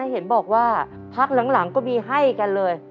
เห็นบอกว่าพักหลังก็มีให้กันเลย